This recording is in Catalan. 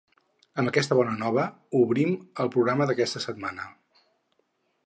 Amb aquesta bona nova obrim el programa d’aquesta setmana.